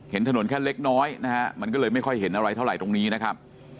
เห็นถนนแค่เล็กน้อยนะฮะมันก็เลยไม่ค่อยเห็นอะไรเท่าไหร่ตรงนี้นะครับ